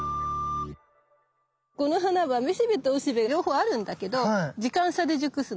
この花はめしべとおしべ両方あるんだけど時間差で熟すの。